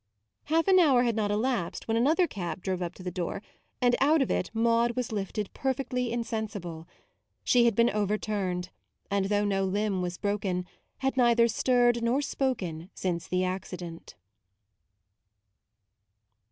Half an hour had not elapsed when another cab drove up to the door, and out of it Maude was lifted 88 MAUDE perfectly insensible. She had been overturned, and though no limb was broken, had neither stirred nor spoken since the accident.